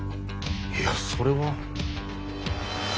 いやそれは。